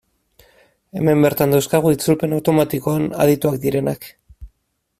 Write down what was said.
Hemen bertan dauzkagu itzulpen automatikoan adituak direnak.